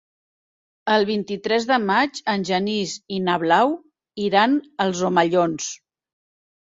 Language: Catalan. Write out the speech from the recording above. El vint-i-tres de maig en Genís i na Blau iran als Omellons.